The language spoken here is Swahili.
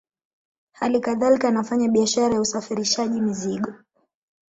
Hali kadhalika anafanya biashara ya usafirishaji mizigo